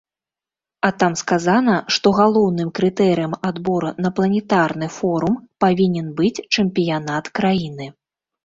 А там сказана, што галоўным крытэрыем адбору на планетарны форум павінен быць чэмпіянат краіны.